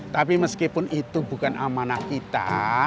tapi meskipun itu bukan amanah kita